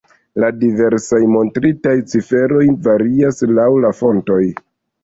La diversaj montritaj ciferoj varias laŭ la fontoj.